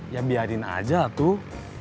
ya biarin aja tuh